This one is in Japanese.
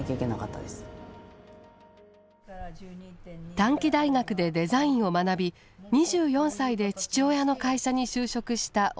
短期大学でデザインを学び２４歳で父親の会社に就職した及川。